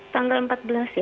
tanggal empat belas ya